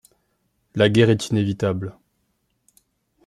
La guerre est inévitable.